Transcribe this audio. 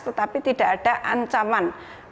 tetapi tidak ada ancaman